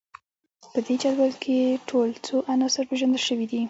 په دې جدول کې ټول څو عناصر پیژندل شوي دي